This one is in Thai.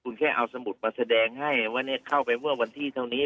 คุณแค่เอาสมุดมาแสดงให้ว่าเข้าไปเมื่อวันที่เท่านี้